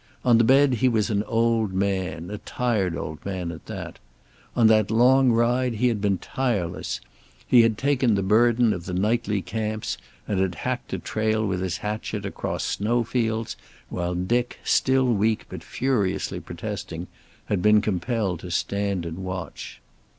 On the bed he was an old man, a tired old man at that. On that long ride he had been tireless. He had taken the burden of the nightly camps, and had hacked a trail with his hatchet across snow fields while Dick, still weak but furiously protesting, had been compelled to stand and watch.